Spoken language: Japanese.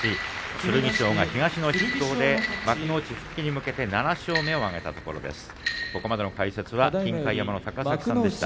剣翔は東の筆頭で幕内復帰に向けて７勝目を挙げました。